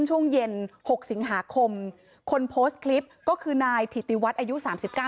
ช่วงเย็นหกสิงหาคมคนคือนายถีติวัฒน์อายุสามสิบเก้า